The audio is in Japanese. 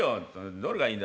どれがいいんだ？